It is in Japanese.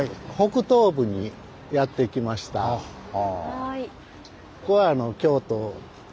はい。